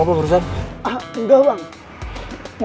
tahan ya sampe gak ada itu